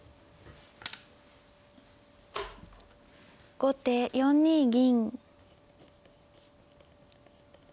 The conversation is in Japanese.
後手４二銀。